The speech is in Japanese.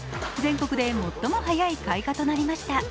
全国で最も早い開花となりました。